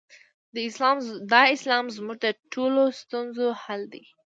دا اسلام زموږ د ټولو ستونزو حل دی.